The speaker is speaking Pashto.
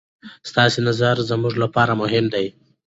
ستاسې نظر زموږ لپاره مهم دی.